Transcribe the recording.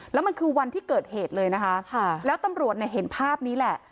แล้วมันคือวันที่เกิดเหตุเลยนะคะแล้วตำรวจเนี่ยเห็นภาพนี้แหละ